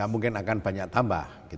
mungkin akan banyak tambah